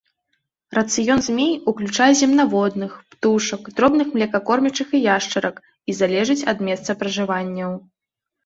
Рацыён змей уключае земнаводных, птушак, дробных млекакормячых і яшчарак, і залежыць ад месцапражыванняў.